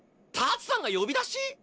タツさんが呼び出し！？